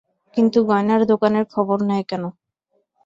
কিন্তু গয়নার দোকানের খবর নেয় কেন?